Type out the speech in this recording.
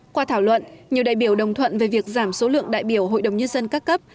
qua thảo luận nhiều đại biểu đồng thuận về việc giảm số lượng đại biểu hội đồng nhân dân các cấp